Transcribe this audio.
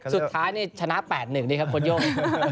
สุดท้ายนั้นชนะ๘๑นะครับโคตรโย่ง